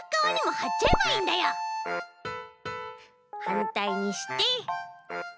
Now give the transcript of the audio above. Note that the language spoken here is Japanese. はんたいにして。